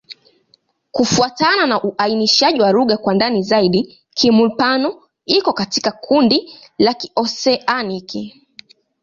Kufuatana na uainishaji wa lugha kwa ndani zaidi, Kimur-Pano iko katika kundi la Kioseaniki.